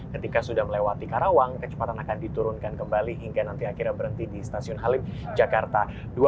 ketika sudah melewati karawang kecepatan akan diturunkan kembali hingga nanti akhirnya berhenti di stasiun halim jakarta